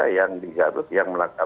yang di garut yang melengkapi